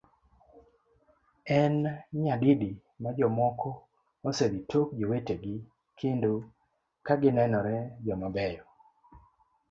En nyadidi ma jomoko osedhi tok jowetegi kendo kagi nenore joma beyo?